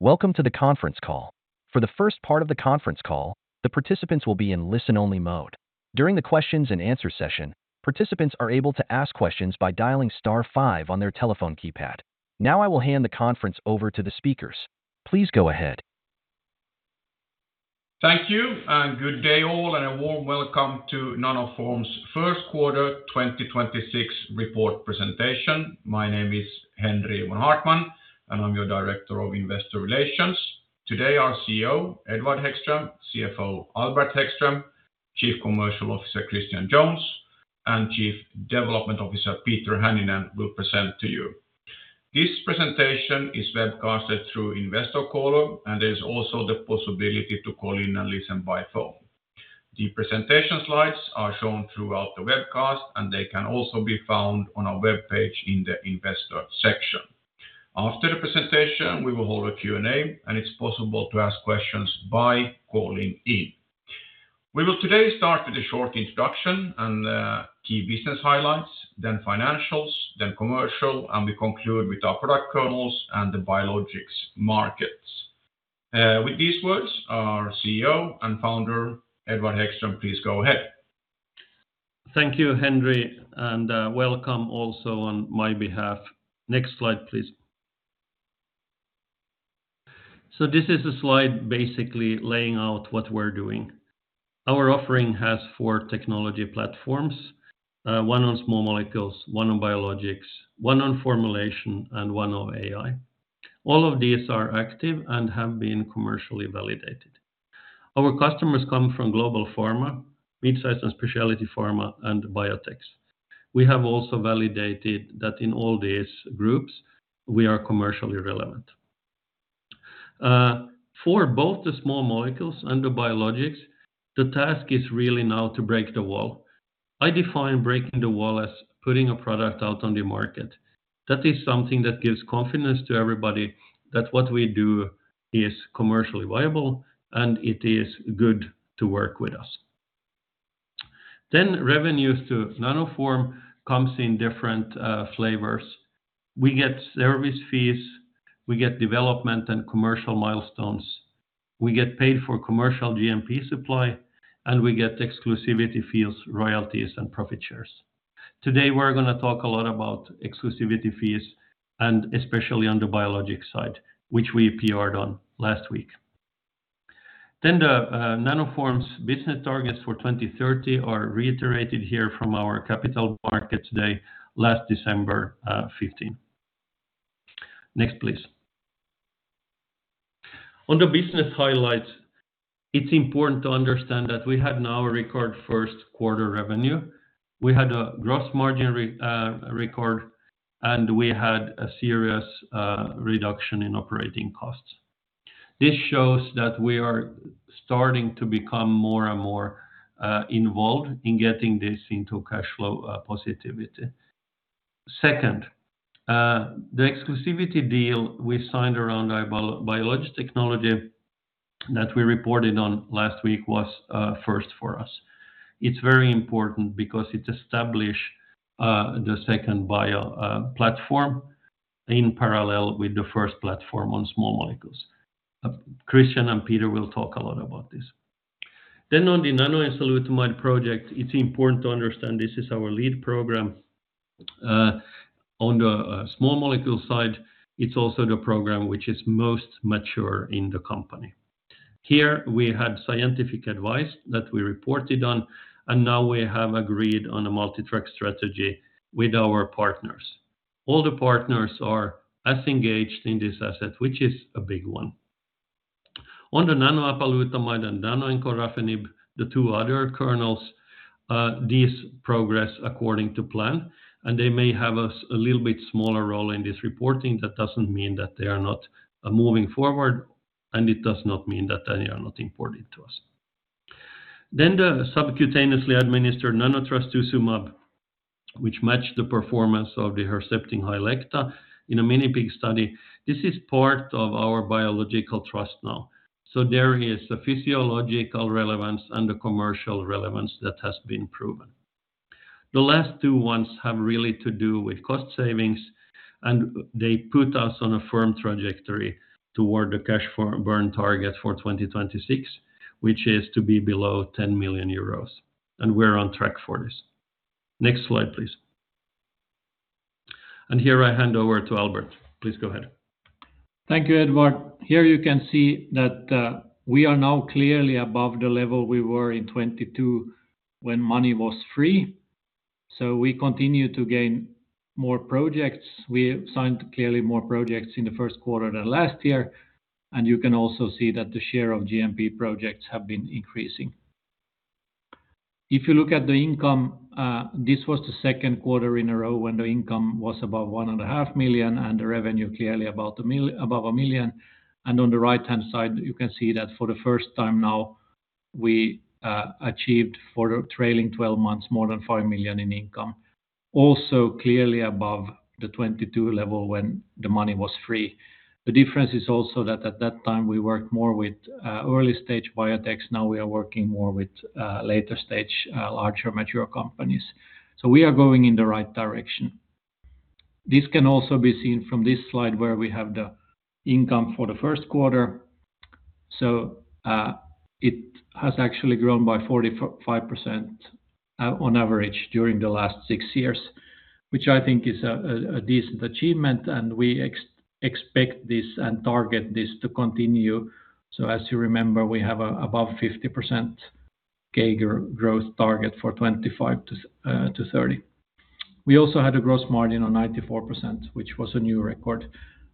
Welcome to the conference call. For the first part of the conference call, the participants will be in listen only mode. During the questions and answer session, participants are able to ask questions by dialing star five on their telephone keypad. Now I will hand the conference over to the speakers. Please go ahead. Thank you, and good day all, and a warm welcome to Nanoform's first quarter 2026 report presentation. My name is Henri von Haartman, and I'm your Director of Investor Relations. Today, our CEO, Edward Hæggström, CFO Albert Hæggström, Chief Commercial Officer Christian Jones, and Chief Development Officer Peter Hänninen will present to you. This presentation is webcasted through Investor Call, and there's also the possibility to call in and listen by phone. The presentation slides are shown throughout the webcast, and they can also be found on our webpage in the investor section. After the presentation, we will hold a Q&A, and it's possible to ask questions by calling in. We will today start with a short introduction and key business highlights, then financials, then commercial, and we conclude with our product kernels and the biologics markets. With these words, our CEO and Founder, Edward Hæggström, please go ahead. Thank you, Henri, and welcome also on my behalf. Next slide, please. This is a slide basically laying out what we're doing. Our offering has four technology platforms, one on small molecules, one on biologics, one on formulation, and one on AI. All of these are active and have been commercially validated. Our customers come from global pharma, mid-size and specialty pharma and biotechs. We have also validated that in all these groups we are commercially relevant. For both the small molecules and the biologics, the task is really now to break the wall. I define breaking the wall as putting a product out on the market. That is something that gives confidence to everybody that what we do is commercially viable and it is good to work with us. Revenues to Nanoform comes in different flavors. We get service fees, we get development and commercial milestones, we get paid for commercial GMP supply, and we get exclusivity fees, royalties, and profit shares. Today, we're gonna talk a lot about exclusivity fees, and especially on the biologic side, which we PRd on last week. The Nanoform's business targets for 2030 are reiterated here from our capital markets day last December 15th. Next, please. On the business highlights, it's important to understand that we had now a record first quarter revenue. We had a gross margin record, and we had a serious reduction in operating costs. This shows that we are starting to become more and more involved in getting this into cash flow positivity. Second, the exclusivity deal we signed around our biologics technology that we reported on last week was first for us. It's very important because it establish the second bio platform in parallel with the first platform on small molecules. Christian and Peter will talk a lot about this. On the Nanoenzalutamide project, it's important to understand this is our lead program. On the small molecule side, it's also the program which is most mature in the company. Here we had scientific advice that we reported on, and now we have agreed on a multitrack strategy with our partners. All the partners are as engaged in this asset, which is a big one. On the Nanoapalutamide and Nanoencorafenib, the two other kernels, these progress according to plan, and they may have a little bit smaller role in this reporting. That doesn't mean that they are not moving forward, and it does not mean that they are not important to us. The subcutaneously administered Nanotrastuzumab, which matched the performance of the Herceptin HYLECTA in a mini pig study, this is part of our biological trust now. There is a physiological relevance and a commercial relevance that has been proven. The last two ones have really to do with cost savings, and they put us on a firm trajectory toward the cash burn target for 2026, which is to be below 10 million euros, and we're on track for this. Next slide, please. Here I hand over to Albert. Please go ahead. Thank you, Edward. Here you can see that we are now clearly above the level we were in 2022 when money was free, so we continue to gain more projects. We signed clearly more projects in the first quarter than last year, and you can also see that the share of GMP projects have been increasing. If you look at the income, this was the second quarter in a row when the income was above 1,500,000, and the revenue clearly above a million. On the right-hand side, you can see that for the first time now we achieved for the trailing 12 months more than 5 million in income, also clearly above the 2022 level when the money was free. The difference is also that at that time we worked more with early stage biotechs. Now we are working more with later stage, larger, mature companies. We are going in the right direction. This can also be seen from this slide where we have the income for the first quarter. It has actually grown by 45% on average during the last six years, which I think is a decent achievement, and we expect this and target this to continue. As you remember, we have a above 50% CAGR growth target for 2025-2030. We also had a gross margin of 94%, which was a new record,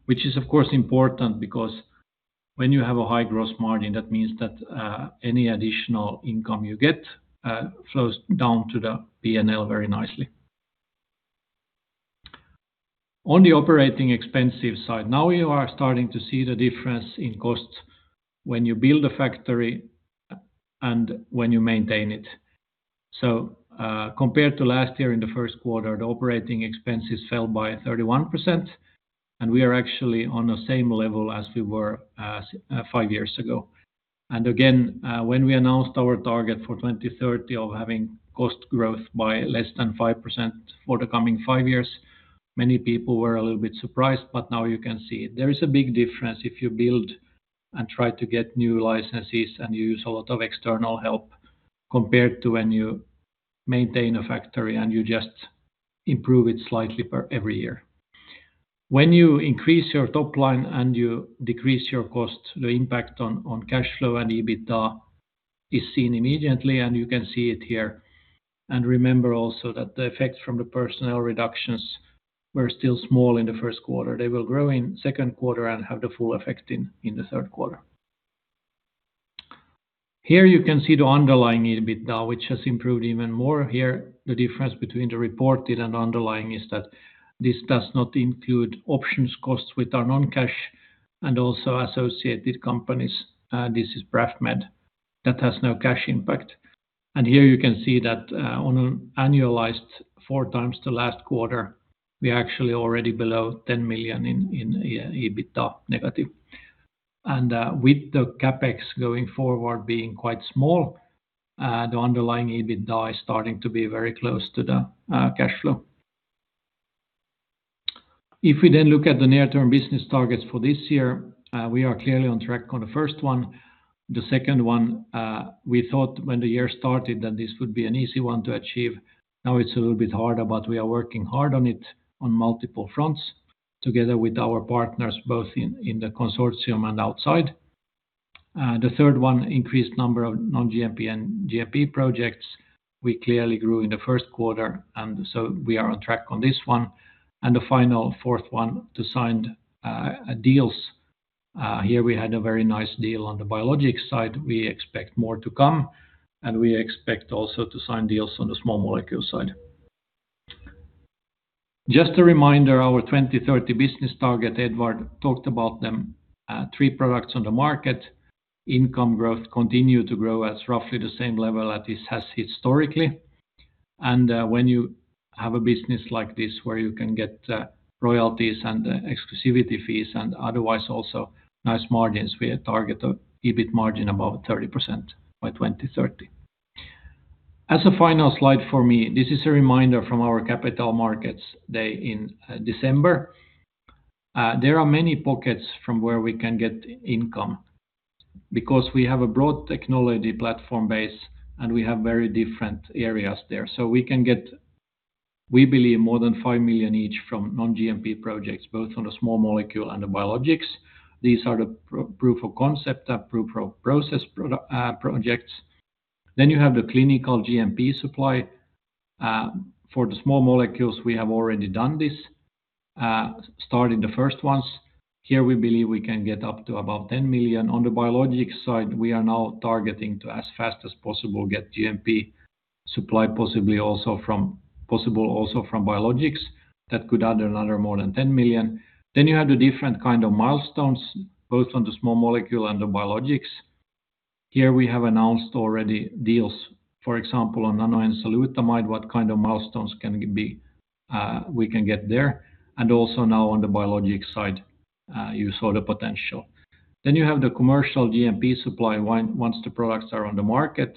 which is of course important because when you have a high gross margin, that means that any additional income you get flows down to the P&L very nicely. On the operating expenses side, now you are starting to see the difference in costs when you build a factory and when you maintain it. Compared to last year in the first quarter, the operating expenses fell by 31%, and we are actually on the same level as we were five years ago. Again, when we announced our target for 2030 of having cost growth by less than 5% for the coming five years, many people were a little bit surprised, but now you can see there is a big difference if you build and try to get new licenses and use a lot of external help compared to when you maintain a factory and you just improve it slightly per every year. When you increase your top line and you decrease your cost, the impact on cash flow and EBITDA is seen immediately, and you can see it here. Remember also that the effects from the personnel reductions were still small in the first quarter. They will grow in second quarter and have the full effect in the third quarter. Here you can see the underlying EBITDA, which has improved even more. Here the difference between the reported and underlying is that this does not include options costs with our non-cash and also associated companies, this is BRAFMed, that has no cash impact. Here you can see that, on an annualized 4x the last quarter, we are actually already below 10 million in EBITDA negative. With the CapEx going forward being quite small, the underlying EBITDA is starting to be very close to the cash flow. We then look at the near-term business targets for this year, we are clearly on track on the first one. The second one, we thought when the year started that this would be an easy one to achieve. Now it's a little bit harder, but we are working hard on it on multiple fronts together with our partners, both in the consortium and outside. The third one, increased number of non-GMP and GMP projects. We clearly grew in the first quarter, we are on track on this one. The final fourth one, to sign deals. Here we had a very nice deal on the biologics side. We expect more to come, we expect also to sign deals on the small molecule side. Just a reminder, our 2030 business target, Edward talked about them. Three products on the market, income growth continue to grow at roughly the same level that this has historically. When you have a business like this where you can get royalties and exclusivity fees and otherwise also nice margins, we target a EBIT margin above 30% by 2030. As a final slide for me, this is a reminder from our Capital Markets Day in December. There are many pockets from where we can get income because we have a broad technology platform base, and we have very different areas there. We can get, we believe, more than 5 million each from non-GMP projects, both on the small molecule and the biologics. These are the proof of concept, proof of process projects. You have the clinical GMP supply. For the small molecules, we have already done this, started the first ones. Here we believe we can get up to about 10 million. On the biologics side, we are now targeting to, as fast as possible, get GMP supply also from biologics. That could add another more than 10 million. You have the different kind of milestones, both on the small molecule and the biologics. Here we have announced already deals, for example, on Nanoenzalutamide, what kind of milestones can be, we can get there, and also now on the biologics side, you saw the potential. You have the commercial GMP supply once the products are on the market.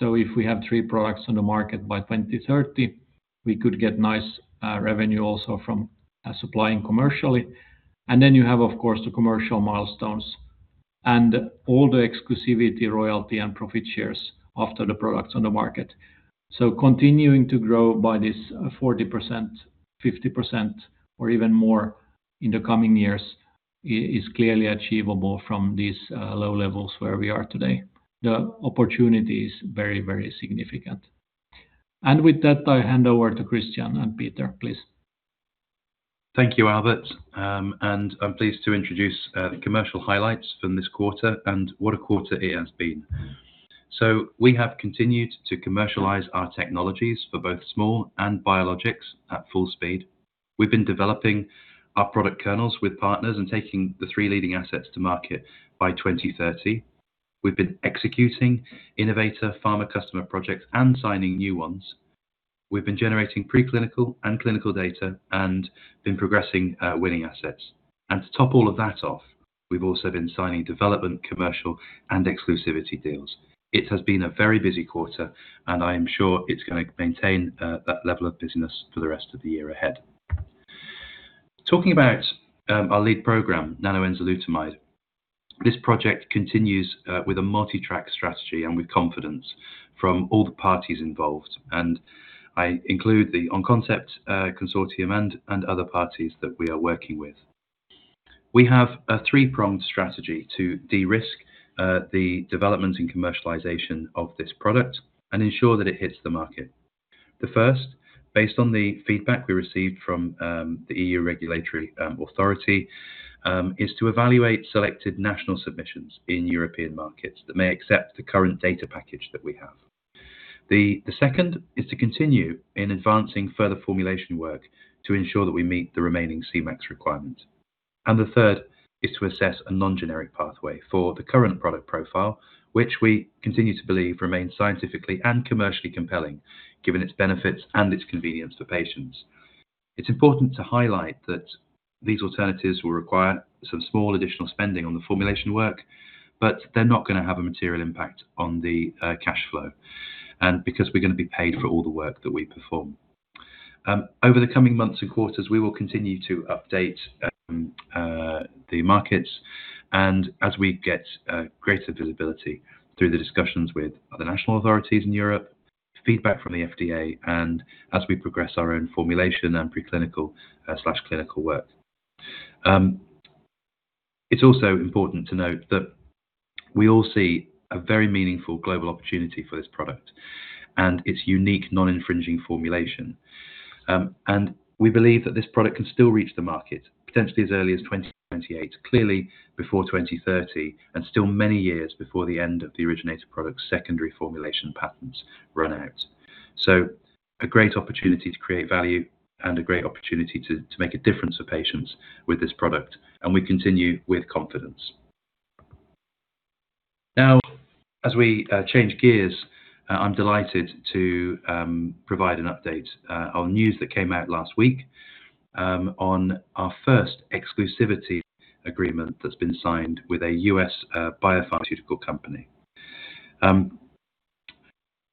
If we have three products on the market by 2030, we could get nice revenue also from supplying commercially. Then you have, of course, the commercial milestones and all the exclusivity, royalty, and profit shares after the product's on the market. Continuing to grow by this, 40%, 50%, or even more in the coming years is clearly achievable from these, low levels where we are today. The opportunity is very, very significant. With that, I hand over to Christian and Peter, please. Thank you, Albert. I'm pleased to introduce the commercial highlights from this quarter, and what a quarter it has been. We have continued to commercialize our technologies for both small and biologics at full speed. We've been developing our product kernels with partners and taking the three leading assets to market by 2030. We've been executing innovator pharma customer projects and signing new ones. We've been generating preclinical and clinical data and been progressing winning assets. To top all of that off. We've also been signing development, commercial, and exclusivity deals. It has been a very busy quarter, and I am sure it's gonna maintain that level of business for the rest of the year ahead. Talking about our lead program, Nanoenzalutamide, this project continues with a multi-track strategy and with confidence from all the parties involved, and I include the ONConcept® Consortium and other parties that we are working with. We have a three-pronged strategy to de-risk the development and commercialization of this product and ensure that it hits the market. The first, based on the feedback we received from the EU regulatory authority, is to evaluate selected national submissions in European markets that may accept the current data package that we have. The second is to continue in advancing further formulation work to ensure that we meet the remaining Cmax requirements. The third is to assess a non-generic pathway for the current product profile, which we continue to believe remains scientifically and commercially compelling given its benefits and its convenience for patients. It's important to highlight that these alternatives will require some small additional spending on the formulation work, but they're not gonna have a material impact on the cash flow, and because we're gonna be paid for all the work that we perform. Over the coming months and quarters, we will continue to update the markets and as we get greater visibility through the discussions with the national authorities in Europe, feedback from the FDA, and as we progress our own formulation and preclinical/clinical work. It's also important to note that we all see a very meaningful global opportunity for this product and its unique non-infringing formulation. We believe that this product can still reach the market potentially as early as 2028, clearly before 2030, and still many years before the end of the originator product's secondary formulation patents run out. A great opportunity to create value and a great opportunity to make a difference for patients with this product, we continue with confidence. Now as we change gears, I'm delighted to provide an update on news that came out last week on our first exclusivity agreement that's been signed with a U.S. biopharmaceutical company.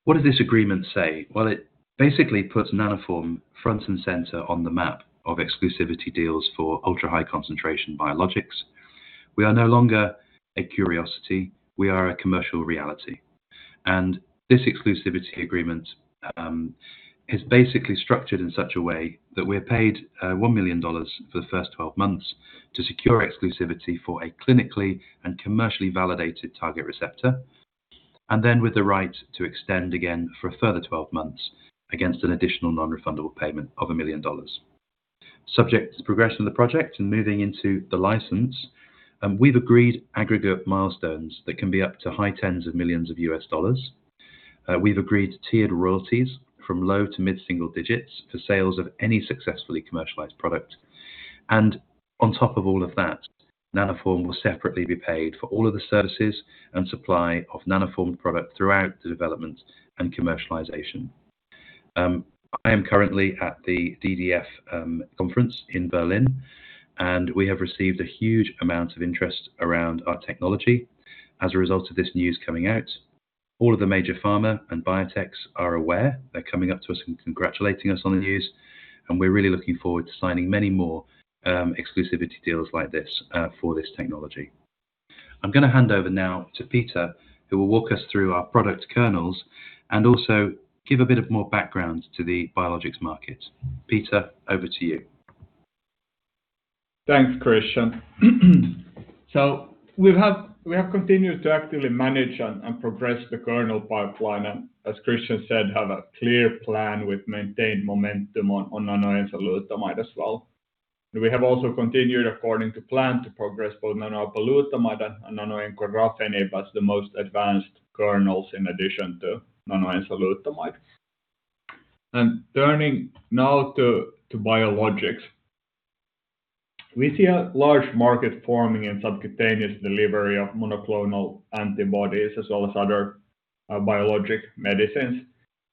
What does this agreement say? It basically puts Nanoform front and center on the map of exclusivity deals for ultra-high concentration biologics. We are no longer a curiosity, we are a commercial reality. This exclusivity agreement is basically structured in such a way that we're paid $1 million for the first 12 months to secure exclusivity for a clinically and commercially validated target receptor, then with the right to extend again for a further 12 months against an additional non-refundable payment of $1 million. Subject to progression of the project and moving into the license, we've agreed aggregate milestones that can be up to high tens of millions of US dollars. We've agreed tiered royalties from low to mid-single digits for sales of any successfully commercialized product. On top of all of that, Nanoform will separately be paid for all of the services and supply of Nanoform product throughout the development and commercialization. I am currently at the DDF conference in Berlin, and we have received a huge amount of interest around our technology as a result of this news coming out. All of the major pharma and biotechs are aware. They're coming up to us and congratulating us on the news, and we're really looking forward to signing many more exclusivity deals like this for this technology. I'm gonna hand over now to Peter, who will walk us through our product kernels and also give a bit of more background to the biologics market. Peter, over to you. Thanks, Christian. We have continued to actively manage and progress the kernel pipeline, and as Christian said, have a clear plan with maintained momentum on Nanoenzalutamide as well. We have also continued according to plan to progress both Nanoapalutamide and Nanoencorafenib as the most advanced kernels in addition to Nanoenzalutamide. Turning now to biologics. We see a large market forming in subcutaneous delivery of monoclonal antibodies as well as other biologic medicines,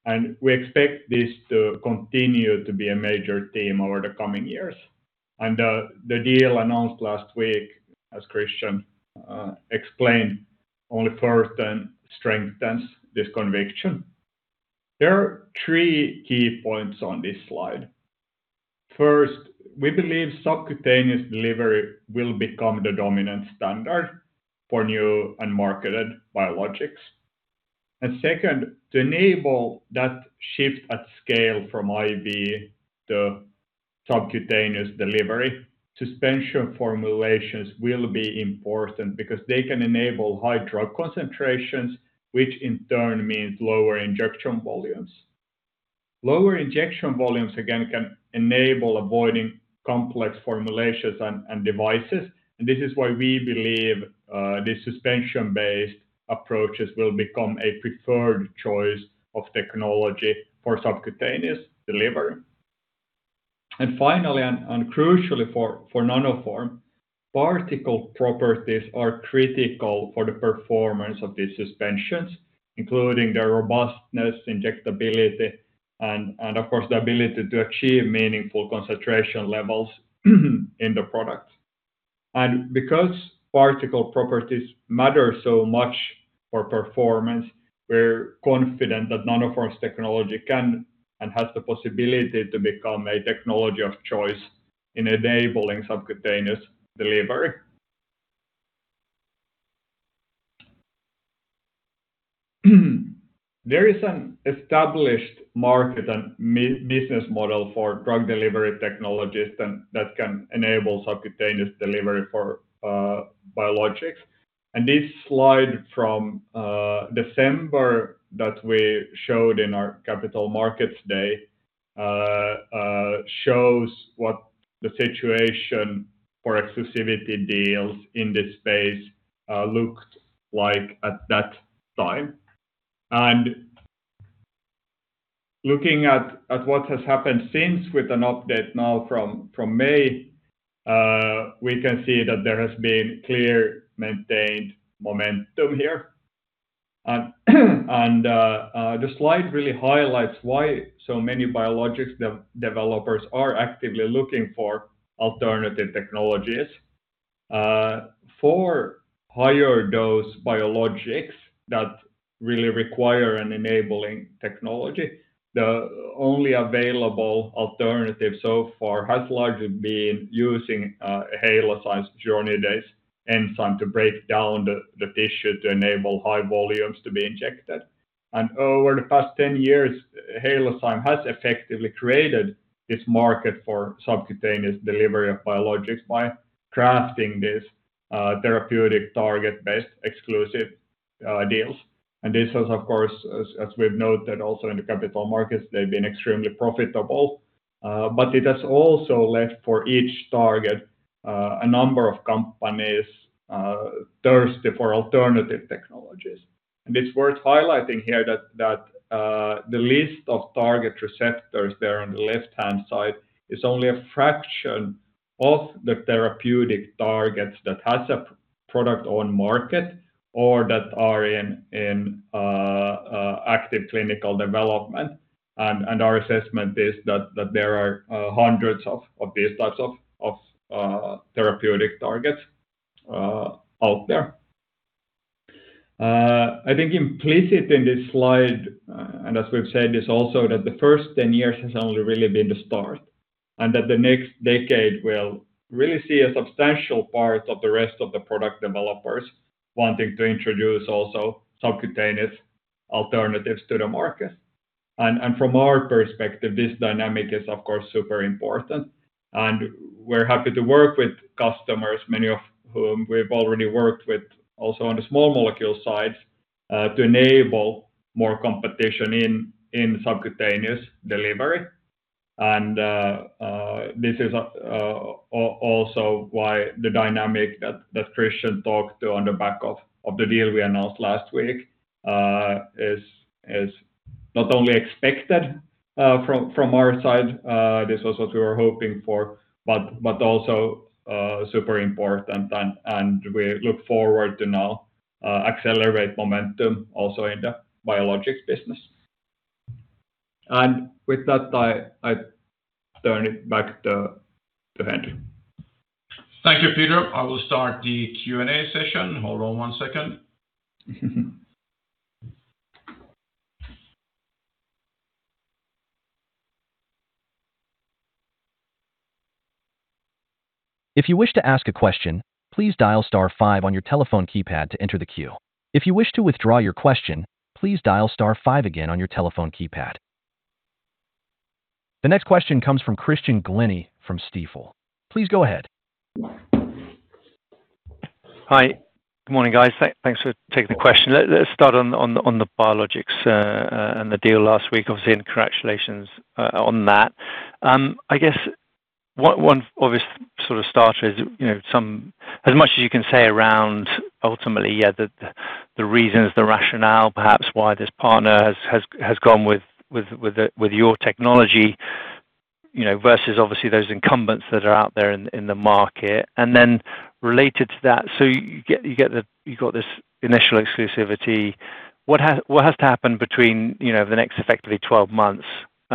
and we expect this to continue to be a major theme over the coming years. The deal announced last week, as Christian explained, only furthers and strengthens this conviction. There are three key points on this slide. First, we believe subcutaneous delivery will become the dominant standard for new and marketed biologics. Second, to enable that shift at scale from IV to subcutaneous delivery, suspension formulations will be important because they can enable high drug concentrations, which in turn means lower injection volumes. Lower injection volumes, again, can enable avoiding complex formulations and devices. This is why we believe the suspension-based approaches will become a preferred choice of technology for subcutaneous delivery. Finally, and crucially for Nanoform, particle properties are critical for the performance of these suspensions, including their robustness, injectability, and of course, the ability to achieve meaningful concentration levels in the product. Because particle properties matter so much for performance, we're confident that Nanoform's technology can and has the possibility to become a technology of choice in enabling subcutaneous delivery. There is an established market and business model for drug delivery technologies that can enable subcutaneous delivery for biologics. This slide from December that we showed in our capital markets day shows what the situation for exclusivity deals in this space looked like at that time. Looking at what has happened since with an update now from May, we can see that there has been clear maintained momentum here. The slide really highlights why so many biologics developers are actively looking for alternative technologies. For higher dose biologics that really require an enabling technology, the only available alternative so far has largely been using Halozyme's hyaluronidase enzyme to break down the tissue to enable high volumes to be injected. Over the past 10 years, Halozyme has effectively created this market for subcutaneous delivery of biologics by crafting this therapeutic target-based exclusive deals. This has, of course, as we've noted also in the capital markets, they've been extremely profitable. It has also left for each target a number of companies thirsty for alternative technologies. It's worth highlighting here that the list of target receptors there on the left-hand side is only a fraction of the therapeutic targets that has a product on market or that are in active clinical development. Our assessment is that there are hundreds of these types of therapeutic targets out there. I think implicit in this slide, as we've said, is also that the first 10 years has only really been the start, that the next decade will really see a substantial part of the rest of the product developers wanting to introduce also subcutaneous alternatives to the market. From our perspective, this dynamic is, of course, super important. We're happy to work with customers, many of whom we've already worked with also on the small molecule side, to enable more competition in subcutaneous delivery. This is also why the dynamic that Christian talked to on the back of the deal we announced last week, is not only expected from our side, this was what we were hoping for, but also super important and we look forward to now accelerate momentum also in the biologics business. With that, I turn it back to Henri. Thank you, Peter. I will start the Q&A session. Hold on one second. If you wish to ask a question, please dial star five on your telephone keypad to enter the queue. If you wish to withdraw your question, please dial star five again on your telephone keypad. The next question comes from Christian Glennie from Stifel. Please go ahead. Hi. Good morning, guys. Thanks for taking the question. Let's start on the biologics and the deal last week, obviously, and congratulations on that. I guess one obvious sort of starter is, you know, some as much as you can say around ultimately, yeah, the reasons, the rationale perhaps why this partner has gone with your technology, you know, versus obviously those incumbents that are out there in the market. Related to that, you've got this initial exclusivity. What has to happen between, you know, the next effectively 12 months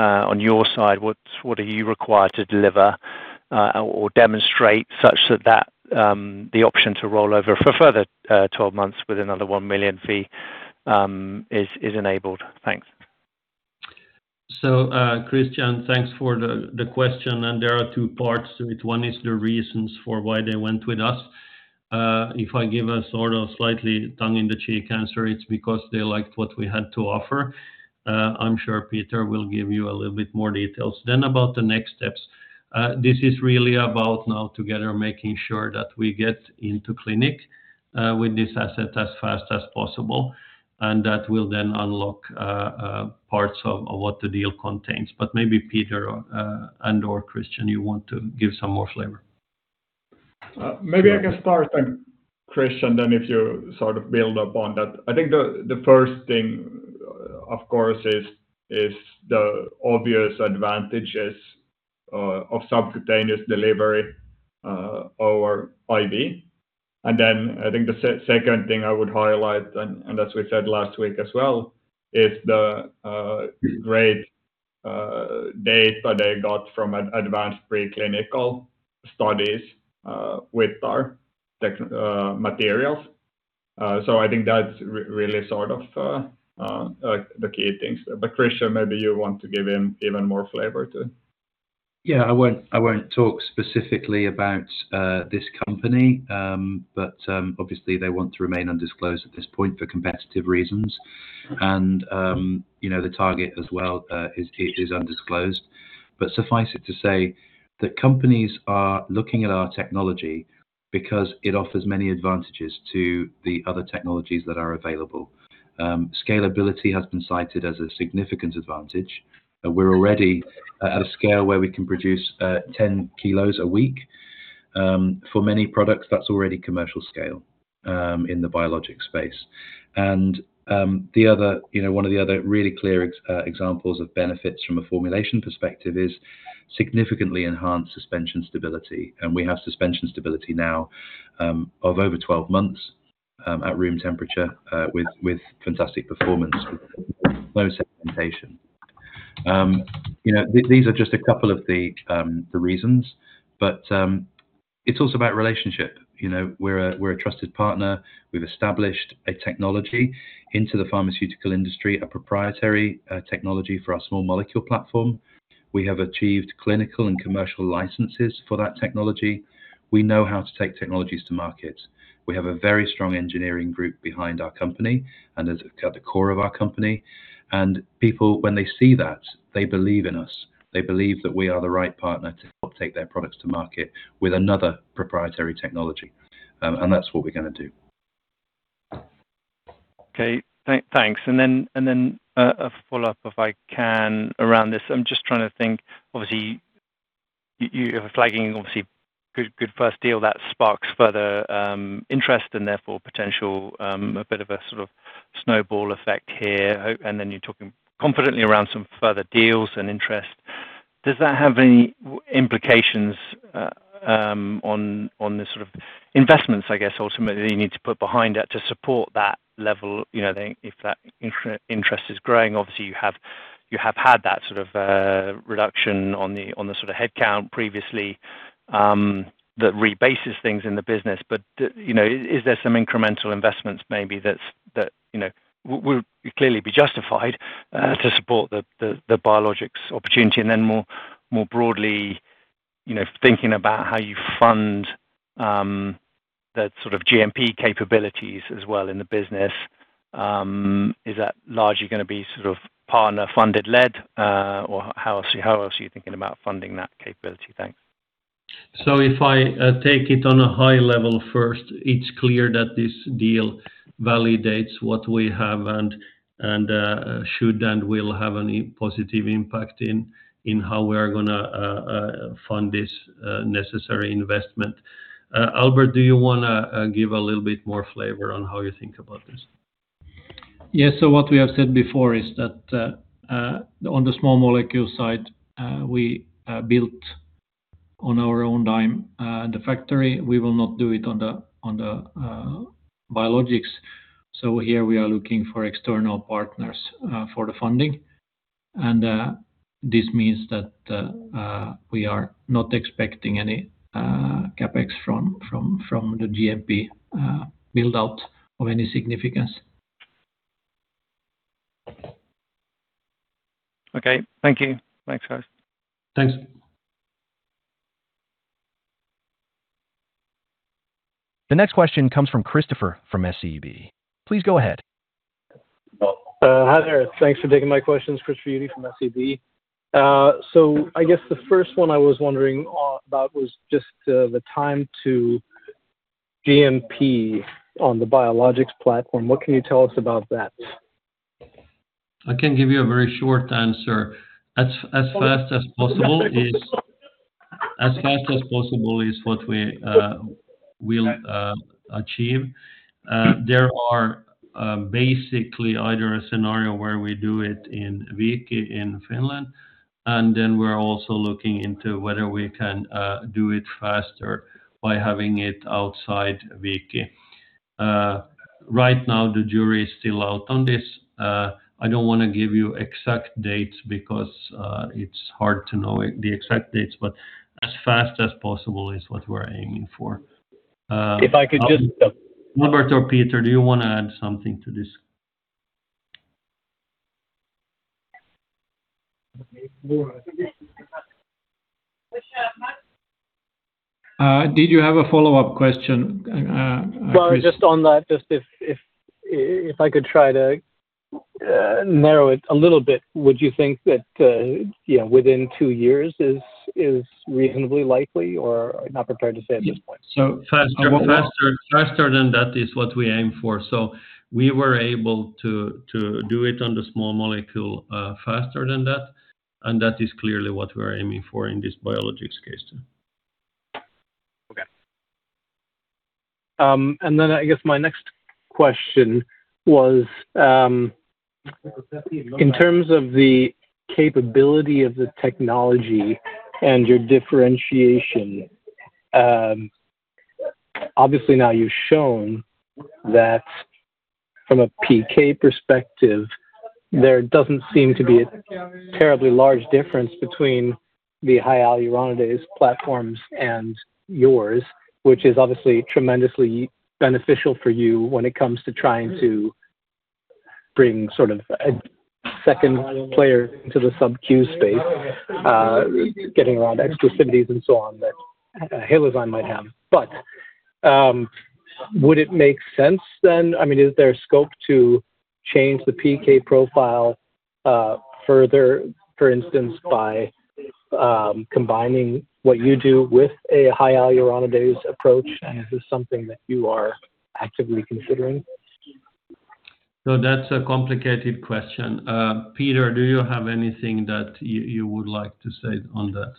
on your side? What are you required to deliver, or demonstrate such that, the option to roll over for further, 12 months with another 1 million fee, is enabled? Thanks. Christian, thanks for the question, and there are two parts to it. One is the reasons for why they went with us. If I give a sort of slightly tongue-in-cheek answer, it's because they liked what we had to offer. I'm sure Peter will give you a little bit more details. About the next steps. This is really about now together making sure that we get into clinic with this asset as fast as possible, and that will then unlock parts of what the deal contains. Maybe Peter and/or Christian, you want to give some more flavor. Maybe I can start then, Christian, then if you sort of build upon that. I think the first thing, of course, is the obvious advantages of subcutaneous delivery over IV. I think the second thing I would highlight, and as we said last week as well, is the great data they got from advanced preclinical studies with our tech materials. I think that's really sort of like the key things. Christian, maybe you want to give him even more flavor. Yeah. I won't talk specifically about this company. Obviously they want to remain undisclosed at this point for competitive reasons. You know, the target as well is undisclosed. Suffice it to say that companies are looking at our technology because it offers many advantages to the other technologies that are available. Scalability has been cited as a significant advantage. We're already at a scale where we can produce 10 kilos a week. For many products, that's already commercial scale in the biologic space. You know, the other, one of the other really clear examples of benefits from a formulation perspective is significantly enhanced suspension stability. We have suspension stability now of over 12 months at room temperature with fantastic performance, low sedimentation. You know, these are just a couple of the reasons, but it's also about relationship. You know, we're a trusted partner. We've established a technology into the pharmaceutical industry, a proprietary technology for our small molecule platform. We have achieved clinical and commercial licenses for that technology. We know how to take technologies to market. We have a very strong engineering group behind our company at the core of our company. People, when they see that, they believe in us. They believe that we are the right partner to help take their products to market with another proprietary technology. That's what we're gonna do. Okay. Thanks. A follow-up, if I can, around this. I'm just trying to think. Obviously, you are flagging, obviously, good first deal that sparks further interest and therefore potential a bit of a sort of snowball effect here. You're talking confidently around some further deals and interest. Does that have any implications on the sort of investments, I guess, ultimately you need to put behind that to support that level? You know, if that interest is growing, obviously, you have had that sort of reduction on the sort of headcount previously that rebases things in the business. You know, is there some incremental investments maybe that's, you know, would clearly be justified to support the biologics opportunity? More broadly, you know, thinking about how you fund the sort of GMP capabilities as well in the business, is that largely gonna be sort of partner-funded led, or how else are you thinking about funding that capability? Thanks. If I take it on a high level first, it's clear that this deal validates what we have and should and will have any positive impact in how we are gonna fund this necessary investment. Albert, do you wanna give a little bit more flavor on how you think about this? Yes. What we have said before is that on the small molecule side, we built on our own dime, the factory. We will not do it on the biologics. Here we are looking for external partners, for the funding. This means that we are not expecting any CapEx from the GMP build-out of any significance. Okay. Thank you. Thanks, guys. Thanks. The next question comes from Christopher from SEB. Please go ahead. Hi there. Thanks for taking my questions. Chris Uhde from SEB. I guess the first one I was wondering about was just the time to GMP on the biologics platform. What can you tell us about that? I can give you a very short answer. As fast as possible is what we will achieve. There are basically either a scenario where we do it in Viikki in Finland, and then we're also looking into whether we can do it faster by having it outside Viikki. Right now, the jury is still out on this. I don't wanna give you exact dates because it's hard to know it, the exact dates, but as fast as possible is what we're aiming for. If I could just- Albert or Peter, do you wanna add something to this? Did you have a follow-up question, Chris? Well, just on that, if I could try to narrow it a little bit. Would you think that, you know, within two years is reasonably likely, or not prepared to say at this point? Faster than that is what we aim for. We were able to do it on the small molecule, faster than that, and that is clearly what we're aiming for in this biologics case. Okay. I guess my next question was in terms of the capability of the technology and your differentiation. Obviously now you've shown that from a PK perspective, there doesn't seem to be a terribly large difference between the high hyaluronidase platforms and yours, which is obviously tremendously beneficial for you when it comes to trying to bring sort of a second player into the subcutaneous space, getting around exclusivities and so on that Halozyme might have. Would it make sense then, I mean, is there a scope to change the PK profile further, for instance, by combining what you do with a high hyaluronidase approach? Is this something that you are actively considering? That's a complicated question. Peter, do you have anything that you would like to say on that?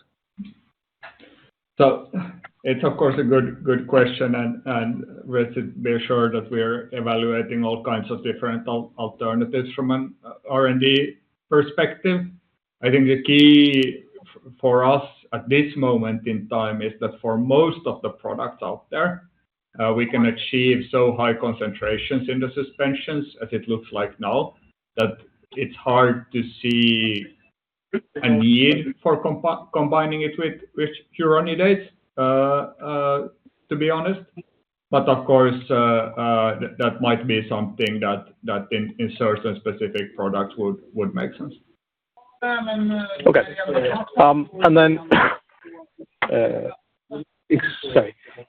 It's, of course, a good question and rest assured that we are evaluating all kinds of different alternatives from an R&D perspective. I think the key for us at this moment in time is that for most of the products out there, we can achieve so high concentrations in the suspensions as it looks like now, that it's hard to see a need for combining it with hyaluronidase, to be honest. Of course, that might be something that in certain specific products would make sense. Okay.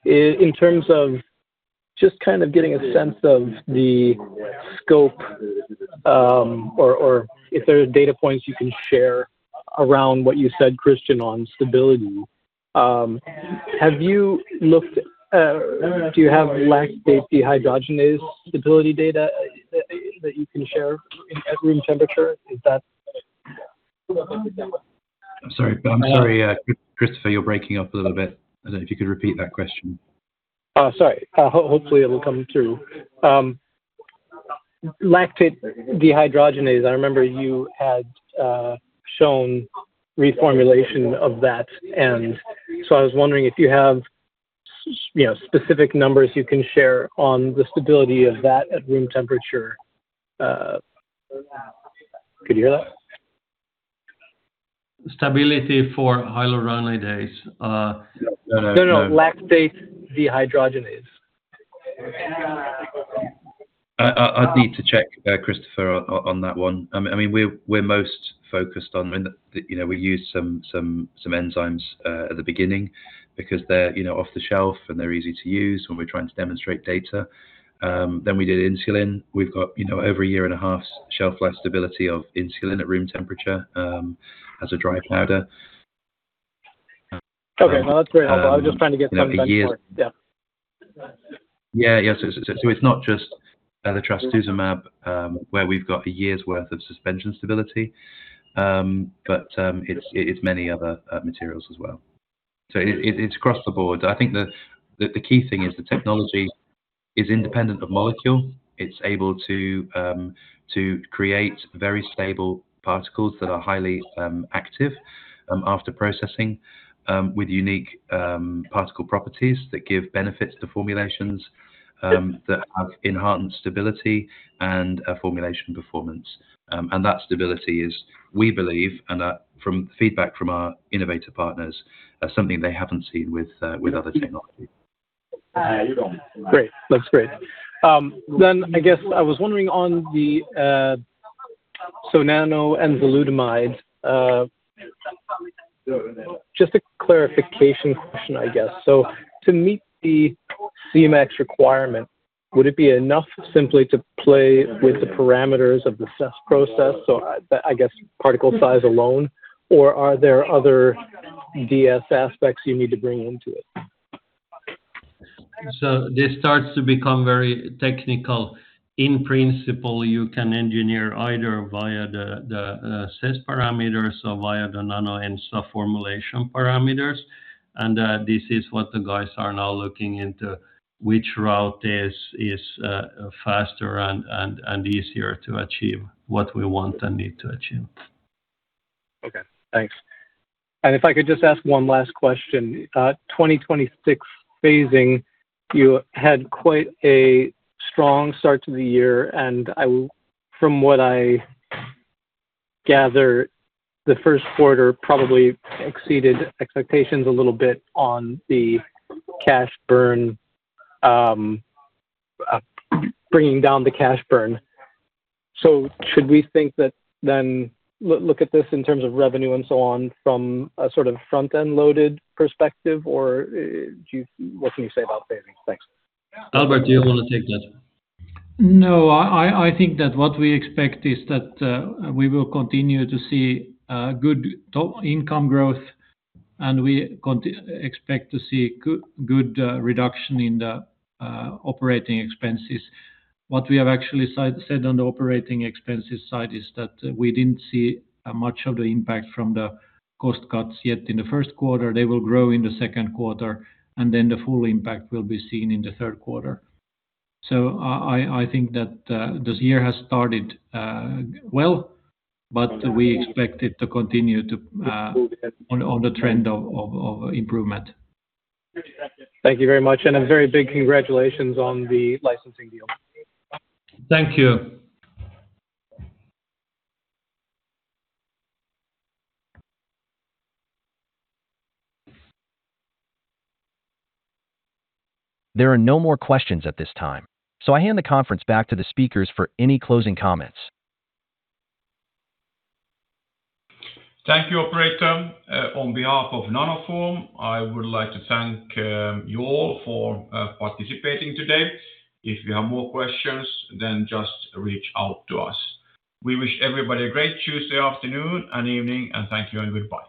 In terms of just kind of getting a sense of the scope, or if there are data points you can share around what you said, Christian, on stability. Have you looked, do you have lactate dehydrogenase stability data that you can share at room temperature? Is that? I'm sorry, Christopher, you're breaking up a little bit. I don't know if you could repeat that question. Sorry. Hopefully it'll come through. Lactate dehydrogenase, I remember you had shown reformulation of that, and so I was wondering if you have you know, specific numbers you can share on the stability of that at room temperature. Could you hear that? Stability for hyaluronidase? No. No, lactate dehydrogenase. I'd need to check, Christopher, on that one. I mean, we're most focused on when, you know, we use some enzymes at the beginning because they're, you know, off the shelf, and they're easy to use when we're trying to demonstrate data. Then we did insulin. We've got, you know, over a year and a half shelf life stability of insulin at room temperature as a dry powder. Okay. No, that's very helpful. I was just trying to get some benchmark. Yeah. Yeah. Yes. It's not just the trastuzumab, where we've got a year's worth of suspension stability, but it's many other materials as well. It's across the board. I think the key thing is the technology is independent of molecule. It's able to create very stable particles that are highly active after processing with unique particle properties that give benefits to formulations that have enhanced stability and formulation performance. And that stability is, we believe, and from feedback from our innovative partners, something they haven't seen with other technology. Great. That's great. I guess I was wondering on the Nanoenzalutamide, just a clarification question, I guess. To meet the Cmax requirement, would it be enough simply to play with the parameters of the CESS process, so I guess particle size alone, or are there other DS aspects you need to bring into it? This starts to become very technical. In principle, you can engineer either via the CESS parameters or via the nano and sub-formulation parameters. This is what the guys are now looking into, which route is faster and easier to achieve what we want and need to achieve. Okay, thanks. If I could just ask one last question. 2026 phasing, you had quite a strong start to the year, and from what I gather, the first quarter probably exceeded expectations a little bit on the cash burn, bringing down the cash burn. Should we think that look at this in terms of revenue and so on from a sort of front-end loaded perspective, or what can you say about phasing? Thanks. Albert, do you wanna take that? No, I think that what we expect is that we will continue to see good income growth, and we expect to see good reduction in the operating expenses. What we have actually said on the operating expenses side is that we didn't see much of the impact from the cost cuts yet in the first quarter. They will grow in the second quarter. The full impact will be seen in the third quarter. I think that this year has started well, but we expect it to continue on the trend of improvement. Thank you very much, and a very big congratulations on the licensing deal. Thank you. There are no more questions at this time. I hand the conference back to the speakers for any closing comments. Thank you, operator. On behalf of Nanoform, I would like to thank you all for participating today. If you have more questions, just reach out to us. We wish everybody a great Tuesday afternoon and evening, and thank you and goodbye.